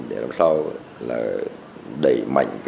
để làm sao đẩy mạnh